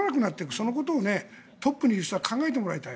そのことをトップにいる人は考えてもらいたい。